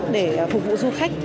để phục vụ du khách